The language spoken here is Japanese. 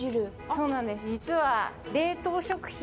そうなんです実は。